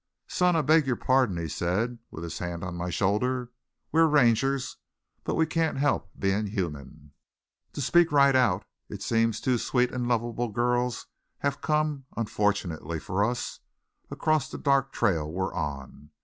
"Son, I beg your pardon," he said, with his hand on my shoulder. "We're Rangers, but we can't help being human. To speak right out, it seems two sweet and lovable girls have come, unfortunately for us all, across the dark trail we're on.